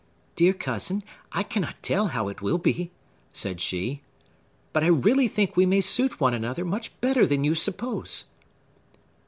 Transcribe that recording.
"Dear cousin, I cannot tell how it will be," said she. "But I really think we may suit one another much better than you suppose."